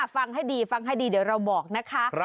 ฟังให้ดีเดี๋ยวเราบอกนะคะ